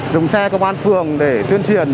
dùng xe công an phường để tuyên truyền